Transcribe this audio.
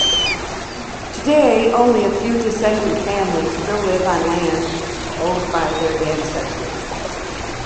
Today, only a few descendant families still live on land owned by their ancestors.